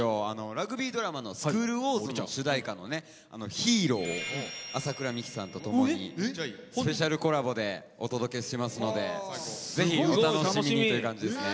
ラグビードラマの「スクール☆ウォーズ」の主題歌の「ヒーロー」を麻倉未稀さんと共にスペシャルコラボでお届けしますのでぜひお楽しみにという感じですね。